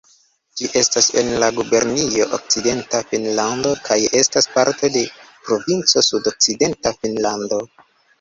Ĝi estas en la gubernio Okcidenta Finnlando kaj estas parto de provinco Sudokcidenta Finnlando.